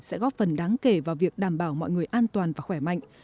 sẽ góp phần đáng kể vào việc đảm bảo mọi người an toàn và khỏe mạnh